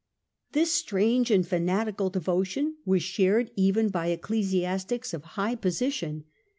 This strange and fanatical devotion was shared even by ec clesiastics of high position.